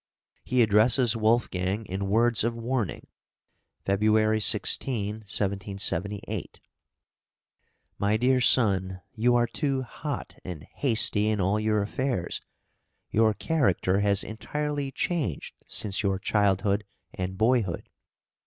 He addresses Wolfgang in words of warning (February 16, 1778): My dear Son, You are too hot and hasty in all your affairs. Your character has entirely changed since your childhood and boyhood.